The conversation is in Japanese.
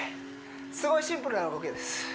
すごいシンプルな動きです